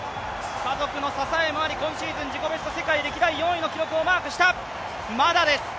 家族の支えもあり、今シーズン自己ベスト世界歴代４位の記録もマークした。